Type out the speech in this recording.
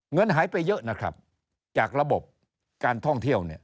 เงินหายไปเยอะนะครับจากระบบการท่องเที่ยวเนี่ย